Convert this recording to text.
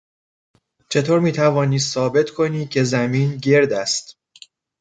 چطور میتوانی ثابت کنی که زمین گرد است؟